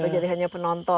jadi hanya penonton ya